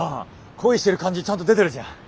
恋してる感じちゃんと出てるじゃん！